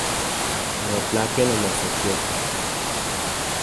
Notlaken omosokioti.